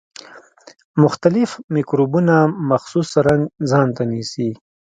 مختلف مکروبونه مخصوص رنګ ځانته نیسي.